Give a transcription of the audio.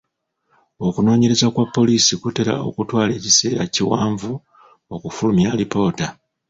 Okunoonyereza kwa poliisi kutera okutwala ekisera ekiwanvu okufulumya alipoota.